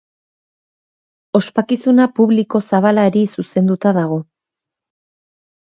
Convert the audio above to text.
Ospakizuna publiko zabalari zuzenduta dago.